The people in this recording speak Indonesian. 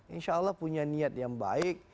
insya allah punya niat yang baik